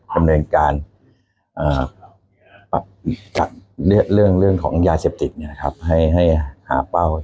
ดำเนินการปรับเรื่องของยาเสพติดให้หาเป้า